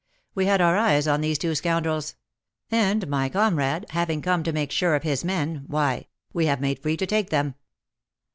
We had our eyes on these two scoundrels; and my comrade, having come to make sure of his men, why, we have made free to take them."